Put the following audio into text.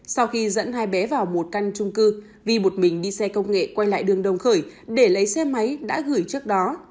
sau khi dẫn hai bé vào một căn trung cư vi một mình đi xe công nghệ quay lại đường đồng khởi để lấy xe máy đã gửi trước đó